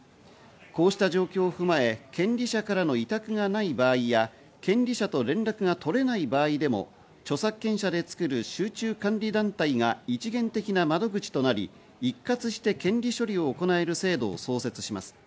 こうした状況を踏まえ、権利者からの委託がない場合や権利者と連絡が取れない場合でも、著作権者で作る集中管理団体が一元的な窓口となり一括して権利処理を行える制度を創設します。